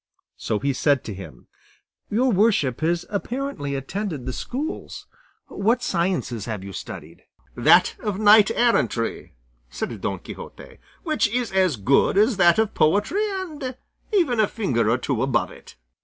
So he said to him, "Your worship has apparently attended the schools; what sciences have you studied?" "That of knight errantry," said Don Quixote, "which is as good as that of poetry, and even a finger or two above it."